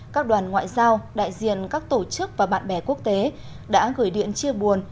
các đoàn ngoại giao đại diện các tổ chức và bạn bè quốc tế đã gửi điện chia buồn